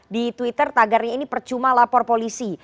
di twitter tagarnya ini percuma lapor polisi